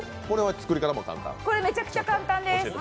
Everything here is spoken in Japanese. これめちゃくちゃ簡単です。